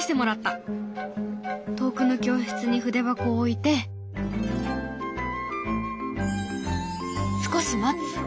遠くの教室に筆箱を置いて少し待つ。